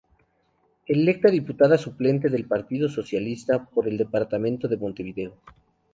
Electa Diputada Suplente del Partido Socialista por el Departamento de Montevideo.